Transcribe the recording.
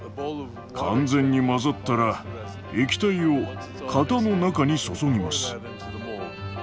完全に混ざったら液体を型の中に注ぎます。